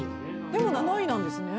でも７位なんですね。